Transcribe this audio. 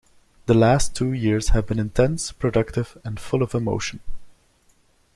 The last two years have been intense, productive and full of emotion.